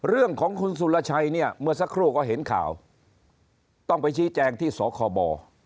เรื่องของคุณสุรชัยเนี่ยเมื่อสักครู่ก็เห็นข่าวต้องไปชี้แจงที่สคบ